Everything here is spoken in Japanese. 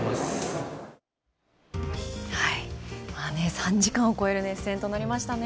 ３時間を超える熱戦となりましたね。